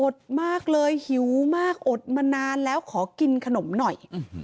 ดมากเลยหิวมากอดมานานแล้วขอกินขนมหน่อย